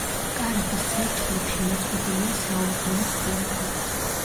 კარების წირთხლებში მოწყობილია საურდულე ხვრელები.